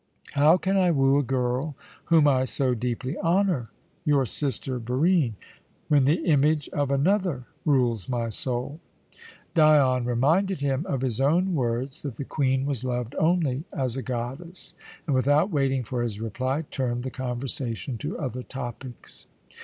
How can I woo a girl whom I so deeply honour your sister, Barine when the image of another rules my soul?" Dion reminded him of his own words that the Queen was loved only as a goddess and, without waiting for his reply, turned the conversation to other topics.